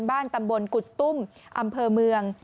ตำบลกุฎตุ้มอำเภอเมือง